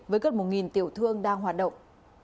với gần một tiểu thương đang hoạt động